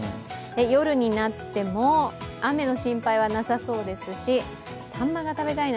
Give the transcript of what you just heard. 夜になっても、雨の心配はなさそうですし、さんまが食べたいな。